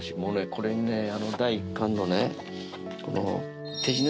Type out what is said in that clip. これにねあの第１巻のね